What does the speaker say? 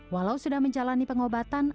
walau sudah menjalani pengobatan